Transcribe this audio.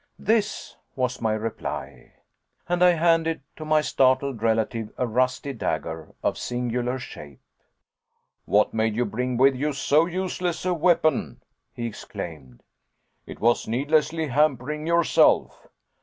"This," was my reply. And I handed to my startled relative a rusty dagger, of singular shape. "What made you bring with you so useless a weapon?" he exclaimed. "It was needlessly hampering yourself."